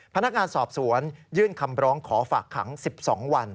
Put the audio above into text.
พนักงานสอบสวนยื่นคำร้องขอฝากขัง๑๒วัน